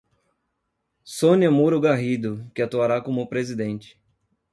Sonia Muro Garrido, que atuará como presidente.